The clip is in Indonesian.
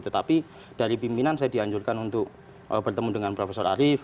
tetapi dari pimpinan saya dianjurkan untuk bertemu dengan prof arief